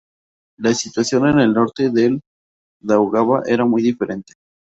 La situación en el norte del Daugava era muy diferente.